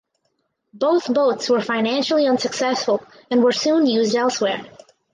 Both boats were financially unsuccessful and were soon used elsewhere.